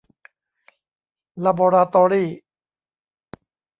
ลาบอราตอรี่